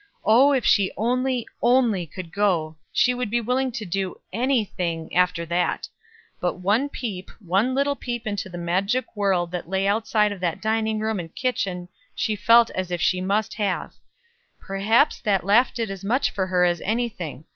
Oh, if she only, only could go, she would be willing to do any thing after that; but one peep, one little peep into the beautiful magic world that lay outside of that dining room and kitchen she felt as if she must have. Perhaps that laugh did as much for her as any thing.